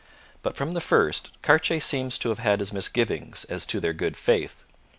But from the first Cartier seems to have had his misgivings as to their good faith.